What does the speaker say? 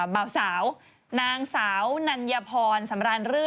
เบาสาวนางสาวนัญพรสำรานรื่อ